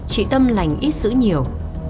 trị tâm lành ít xử nhiều